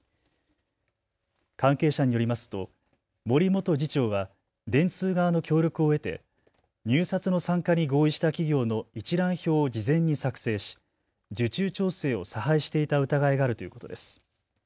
関係者によりますと森元次長は電通側の協力を得て入札の参加に合意した企業の一覧表を事前に作成し受注調整を差配していた疑いがあるということです。